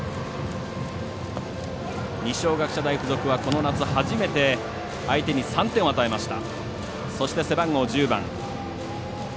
二松学舎大付属はこの夏、初めて相手に３点を与えました。